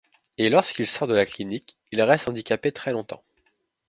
Et lorsqu'il sort de la clinique, il reste handicapé très longtemps.